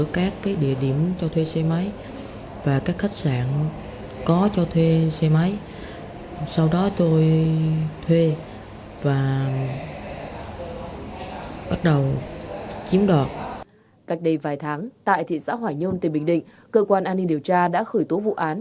cách đây vài tháng tại thị xã hoài nhơn tỉnh bình định cơ quan an ninh điều tra đã khởi tố vụ án